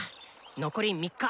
残り３日！